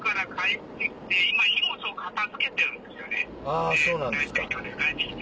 あぁそうなんですか。